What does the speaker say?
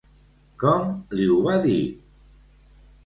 Com li ho va dir?